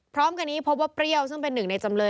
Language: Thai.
พร้อมกันนี้พบว่าเปรี้ยวซึ่งเป็นหนึ่งในจำเลย